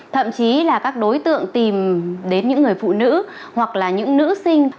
thậm chí là các đối tượng tìm đến những người phụ nữ hoặc là những nữ sinh